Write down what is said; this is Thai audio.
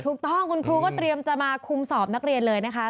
ถูกต้องคุณครูก็เตรียมจะมาคุมสอบนักเรียนเลยนะคะ